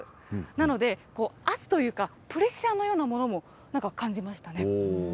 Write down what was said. なので、圧というか、プレッシャーのようなものもなんか感じましたね。